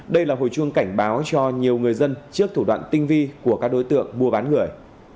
đây là hồi chuông cảnh báo cho nhiều người dân trước thủ đoạn tinh vi của các đối tượng mua bán người